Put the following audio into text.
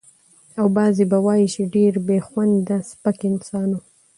او بعضې به وايي چې ډېر بې خونده سپک انسان و.